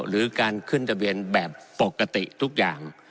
หรือการขึ้นทะเบียนแบบปกติทุกอย่าง